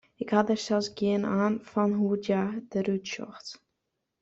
Ik ha der sels gjin aan fan hoe't hja derút sjocht.